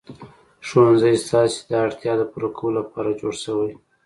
ښوونځی ستاسې د اړتیاوو د پوره کولو لپاره جوړ شوی.